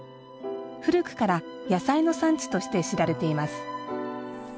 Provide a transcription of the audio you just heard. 古くから野菜の産地として知られています。